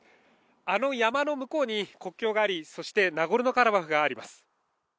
あの山の向こうに国境があり、そしてナゴルノ・カラバフがあります。